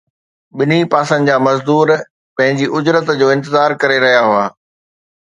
ٻنهي پاسن جا مزدور پنهنجي اجرت جو انتظار ڪري رهيا هئا